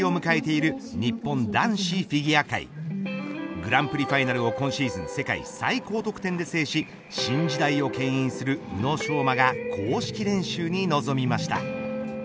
グランプリファイナルを今シーズン世界最高得点で制し新時代をけん引する宇野昌磨が公式練習に臨みました。